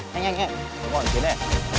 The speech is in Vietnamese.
nhanh nhanh đúng rồi tiến đây